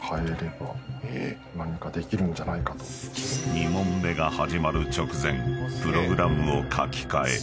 ［２問目が始まる直前プログラムを書き換え］